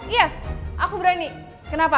iya aku berani kenapa